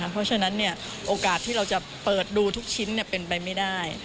เพราะฉะนั้นโอกาสที่เราจะเปิดดูทุกชิ้นเป็นไปไม่ได้